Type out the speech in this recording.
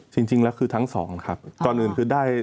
จริงแล้วคือทั้งสองครับก่อนอื่นคือได้